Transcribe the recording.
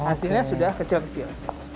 hasilnya sudah kecil kecil